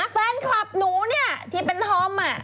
พี่หนูเนี่ยที่เป็นธอมอะ